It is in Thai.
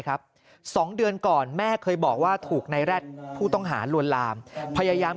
๒เดือนก่อนแม่เคยบอกว่าถูกในแร็ดผู้ต้องหาลวนลามพยายาม